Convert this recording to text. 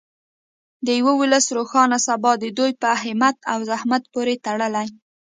د یو ولس روښانه سبا د دوی په همت او زحمت پورې تړلې.